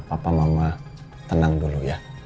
papa mama tenang dulu ya